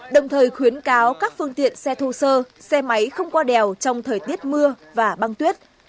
đồng thời khuyến cáo các phương tiện xe thô sơ xe máy không qua đèo trong thời tiết mưa và băng tuyết